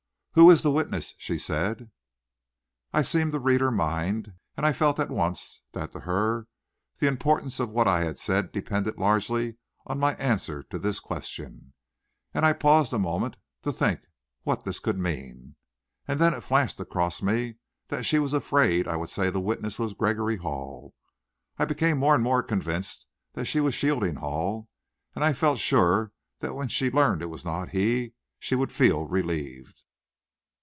"Who is the witness?" she said. I seemed to read her mind, and I felt at once that to her, the importance of what I had said depended largely on my answer to this question, and I paused a moment to think what this could mean. And then it flashed across me that she was afraid I would say the witness was Gregory Hall. I became more and more convinced that she was shielding Hall, and I felt sure that when she learned it was not he, she would feel relieved.